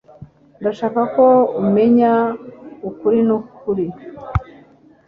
Ndashaka ko umenya ukuri nukuri